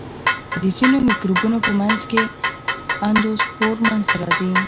د ځینو مکروبونو په منځ کې اندوسپور منځته راځي.